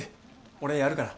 俺やるから。